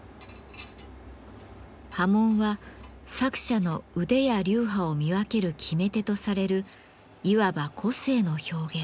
刃文は作者の腕や流派を見分ける決め手とされるいわば個性の表現。